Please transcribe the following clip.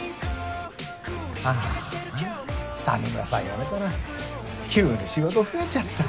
ああ谷村さん辞めたら急に仕事増えちゃった。